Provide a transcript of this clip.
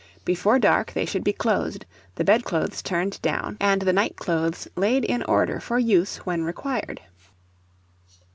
Before dark they should be closed, the bedclothes turned down, and the night clothes laid in order for use when required.